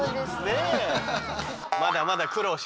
ねえ。